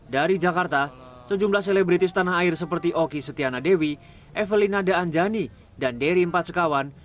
dari jakarta sejumlah selebritis tanah air seperti oki setiana dewi evelina daanjani dan dery empatsekawan